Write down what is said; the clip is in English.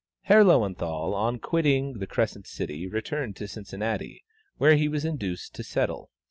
Herr Löwenthal, on quitting the Crescent City, returned to Cincinnati, where he was induced to settle.